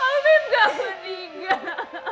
amin gak meninggal